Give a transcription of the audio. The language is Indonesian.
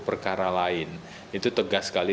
perkara lain itu tegas sekali